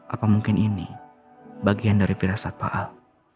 apa mungkin ini bagian dari pirasat pak al